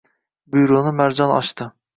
Byuroni Marjon ochdi